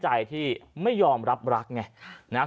ชาวบ้านญาติโปรดแค้นไปดูภาพบรรยากาศขณะ